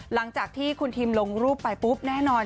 หลังจากที่คุณทิมลงรูปไปปุ๊บแน่นอน